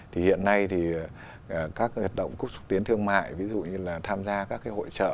thì hiện nay thì các hoạt động cúc xúc tiến thương mại ví dụ như là tham gia các cái hội trợ